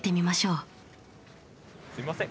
すいません